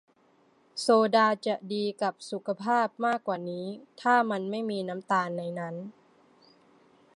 โซดาจะดีกับสุขภาพมากกว่านี้ ถ้ามันไม่มีน้ำตาลในนั้น